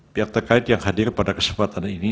pihak terkait yang hadir pada kesempatan ini